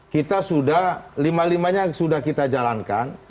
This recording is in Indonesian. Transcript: kita sudah lima limanya sudah kita jalankan